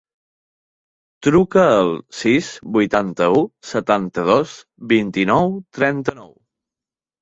Truca al sis, vuitanta-u, setanta-dos, vint-i-nou, trenta-nou.